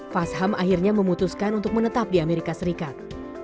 fasham akhirnya memutuskan untuk menetap di amerika serikat